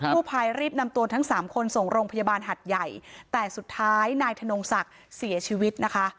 ภายรีบนำตัวทั้งสามคนส่งโรงพยาบาลหัดใหญ่แต่สุดท้ายนายธนงศักดิ์เสียชีวิตนะคะ